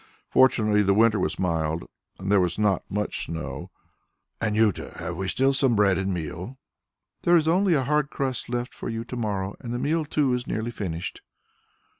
Fortunately the winter was mild, and there was not much snow. "Anjuta, have we still bread and meal?" "There is only a hard crust left for you to morrow, and the meal too is nearly finished."